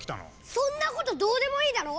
そんなことどうでもいいだろ！